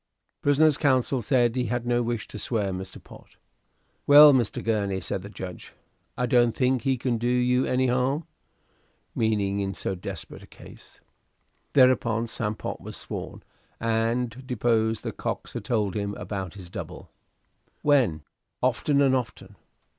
Prisoner's counsel said he had no wish to swear Mr. Pott. "Well, Mr. Gurney," said the judge, "I don't think he can do you any harm." Meaning in so desperate a case. Thereupon Sam Pott was sworn, and deposed that Cox had told him about this double. "When?" "Often and often."